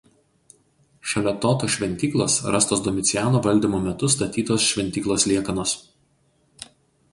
Šalia Toto šventyklos rastos Domiciano valdymo metu statytos šventyklos liekanos.